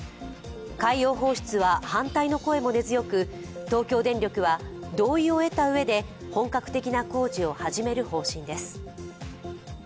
海洋放出は反対の声も根強く東京電力は同意を得た上で本格的な工事を始める方針です。